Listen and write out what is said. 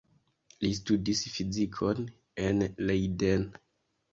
Li studis fizikon en Leiden.